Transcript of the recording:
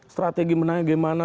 strategi menangnya gimana